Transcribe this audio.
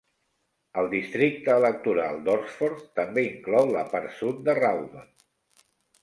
El districte electoral d'Horsforth també inclou la part sud de Rawdon.